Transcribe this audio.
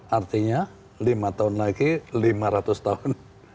artinya lima tahun lagi lima ratus tahun